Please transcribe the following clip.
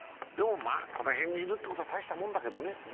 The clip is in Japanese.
でもまあ、この辺にいるってことは大したことだけどね。